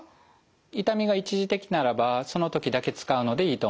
痛みが一時的ならばその時だけ使うのでいいと思います。